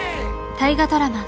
大河ドラマ